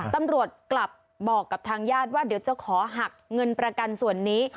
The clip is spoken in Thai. ตำรวจกลับบอกกับทางญาติว่าเดี๋ยวจะขอหักเงินประกันส่วนนี้